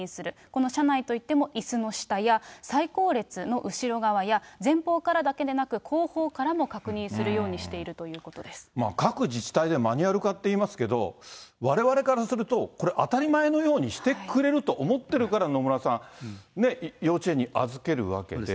この車内といっても、いすの下や最後列の後ろ側や、前方からだけでなく、後方からも確認するようにしているというこ各自治体でマニュアル化っていいますけど、われわれからすると、これ、当たり前のようにしてくれると思ってるから、野村さん、幼稚園に預けるわけで。